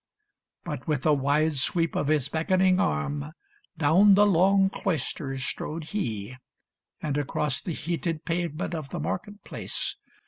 But with a wide sweep of his beckoning arm Down the long cloisters strode he, and across The heated pavement of the market place.